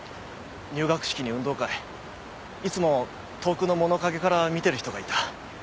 入学式に運動会いつも遠くの物陰から見てる人がいた。